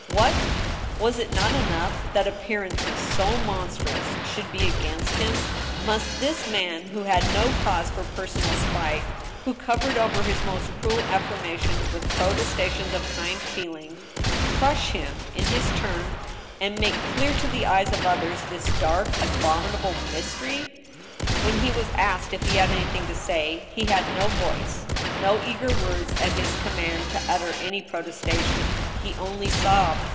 What ! was it not enough that appearances so monstrous should be against him ? Must this man, who had no cause for personal •spite, who covered over his most cruel aflSrmations with protesta^ tions of kind feeling, crush him in his turn, and make clear to the eyes of others this dark, abominable mystery ? When he was asked if he had anything to say, he had no voice, no eager words at his command, to utter any protestation.* He only sobbed.